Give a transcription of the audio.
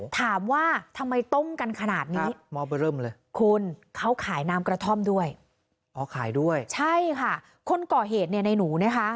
ถามว่าทำไมต้มกันขนาดนี้คุณเขาขายน้ำกระท่อมด้วยใช่ค่ะคนก่อเหตุในหนูนะคะ